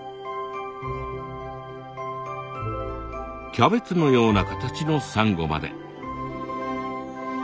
キャベツのような形のサンゴまで。